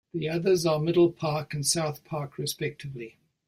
The others are Middle Park and South Park respectively.